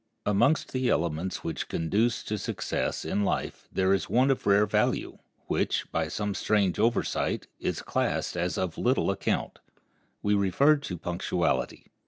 ] Amongst the elements which conduce to success in life there is one of rare value, which, by some strange oversight, is classed as of little account. We refer to punctuality.